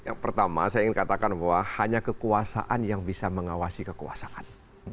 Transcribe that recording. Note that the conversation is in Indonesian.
yang pertama saya ingin katakan bahwa hanya kekuasaan yang bisa mengawasi kekuasaan